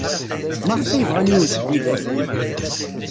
Maɣef ay bɣan yiwen seg widak?